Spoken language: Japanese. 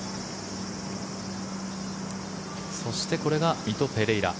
そして、これがミト・ペレイラ。